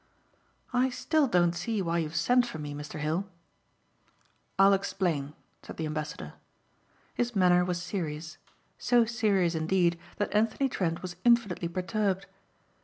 "I still don't see why you've sent for me, Mr. Hill." "I'll explain," said the ambassador. His manner was serious, so serious indeed that Anthony Trent was infinitely perturbed.